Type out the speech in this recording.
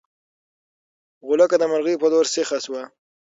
غولکه د مرغۍ په لور سیخه شوه.